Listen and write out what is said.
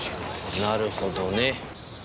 なるほどね。